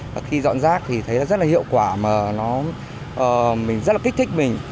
và khi dọn rác thì thấy rất là hiệu quả mà nó mình rất là kích thích mình